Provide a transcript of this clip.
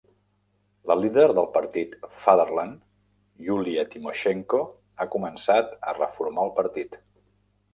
La líder del partit "Fatherland" Yulia Tymoshenko ha començat a reformar el partit.